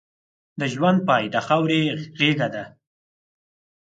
د ژوند پای د خاورې غېږه ده.